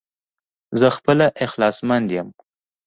زه خپله اخلاص مند يم